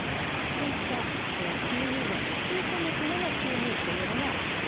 そういった吸入薬を吸い込むための吸入器というのがこちら。